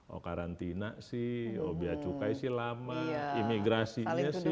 oh karantina sih oh biacukai sih lama imigrasinya sih